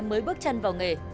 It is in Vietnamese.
mới bước chân vào nghề